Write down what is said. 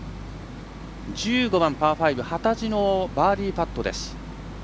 １５番パー５、幡地のバーディーパット。